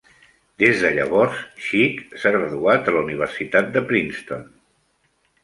Des de llavors, Cheek s'ha graduat a la Universitat de Princeton.